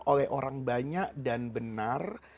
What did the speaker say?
oleh orang banyak dan benar